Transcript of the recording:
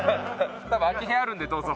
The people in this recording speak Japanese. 多分空き部屋あるんでどうぞ。